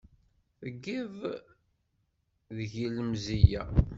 Tgiḍ deg-i lemzeyya.